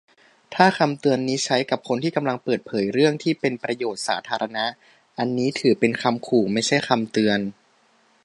ถ้าคำเตือนนี้ใช้กับคนที่กำลังเปิดเผยเรื่องที่เป็นประโยชน์สาธารณะ อันนี้ถือเป็นคำขู่ ไม่ใช่คำเตือน